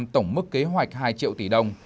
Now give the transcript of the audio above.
tổng mức kế hoạch hai triệu tỷ đồng